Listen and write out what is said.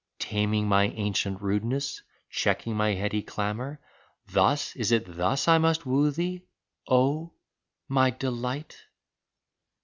Taming my ancient rudeness, checking my heady clamor — Thus, is it thus I must woo thee, oh, my delight?